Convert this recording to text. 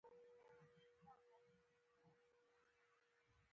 ستونزه په دې کې ده چې دا مرض ساري دی.